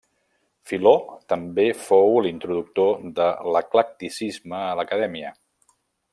Filó també fou l'introductor de l'eclecticisme a l'Acadèmia.